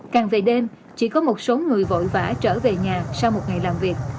càng về đêm chỉ có một số người vội vã trở về nhà sau một ngày làm việc